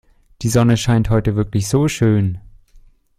Die Sonne scheint heute wirklich so schön.